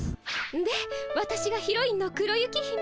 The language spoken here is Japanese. でわたしがヒロインの黒雪姫。